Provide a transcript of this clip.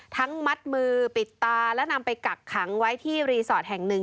มัดมือปิดตาและนำไปกักขังไว้ที่รีสอร์ทแห่งหนึ่ง